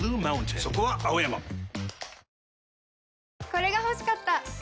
これが欲しかった！